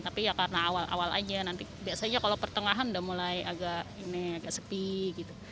tapi ya karena awal awal aja nanti biasanya kalau pertengahan udah mulai agak ini agak sepi gitu